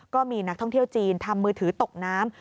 ก็มีนักท่องเที่ยวจีนทำมือถือตกน้ำ